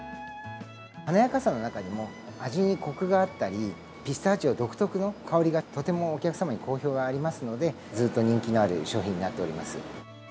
華やかさの中にも、味にこくがあったり、ピスタチオ独特の香りが、とてもお客様に好評がありますので、ずっと人気のある商品になっております。